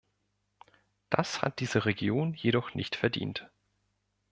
Das hat diese Region jedoch nicht verdient.